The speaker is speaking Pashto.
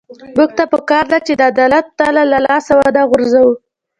موږ ته پکار ده چې د عدالت تله له لاسه ونه غورځوو.